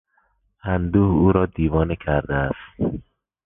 اندوه او را دیوانه کرده است.